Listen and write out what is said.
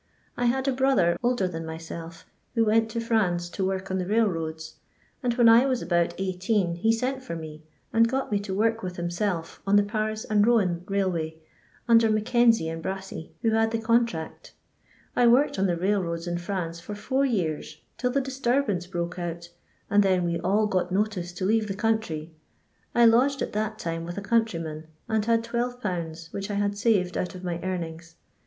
I had a brother older than myself, who went to France to work on the railroads, and when I was about 18 he sent for me, and got me to work with himself on the Paris and Rouen Railwny, under McKenzie and Brassy, who had the con tract I worked on the railroads in France for four years, till the disturbance broke out, and then we all got notice to leave the country. I lodged at that time with a countryman, and had 12/., which I had saved out of my earnings.